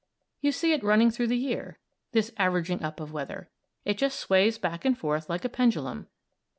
You see it running through the year this averaging up of weather; it just sways back and forth like a pendulum.